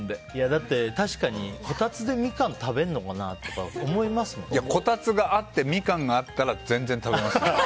だって、確かに、こたつでミカン食べるのかな？とかこたつがあってミカンがあったら全然食べますけど。